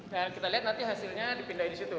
nah kita lihat nanti hasilnya dipindahin disitu